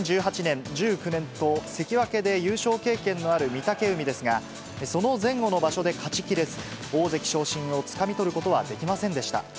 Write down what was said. ２０１８年、１９年と、関脇で優勝経験のある御嶽海ですが、その前後の場所で勝ちきれず、大関昇進をつかみ取ることはできませんでした。